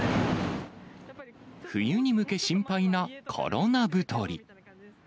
冬に向け、心配なコロナ太り。